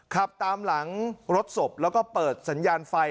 ขับตามหลังรถศพแล้วก็เปิดสัญญาณไฟ